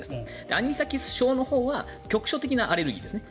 アニサキス症のほうは局所的なアレルギーですね。